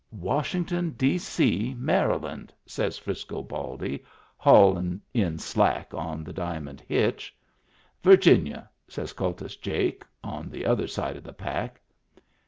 "Washington, D.C., Maryland," says Frisco Baldy, haulin' in slack on the diamond hitch. " Virginia," says Kultus Jake, on the other side of the pack.